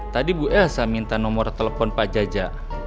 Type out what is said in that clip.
tadi bu elsa minta nomor telepon pak jaja